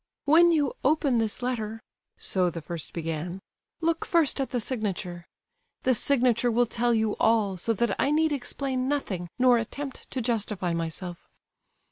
"When you open this letter" (so the first began), "look first at the signature. The signature will tell you all, so that I need explain nothing, nor attempt to justify myself.